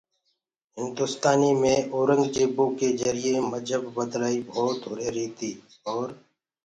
هندُستانيٚ مي اورنٚگجيبو ڪي جَريٚئيٚ مجهب بلآئي ڀوت هُريهريِٚ تيٚ اور